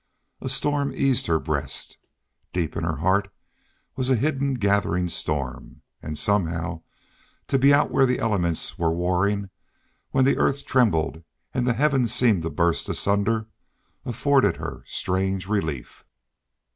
A storm eased her breast. Deep in her heart was a hidden gathering storm. And somehow, to be out when the elements were warring, when the earth trembled and the heavens seemed to burst asunder, afforded her strange relief.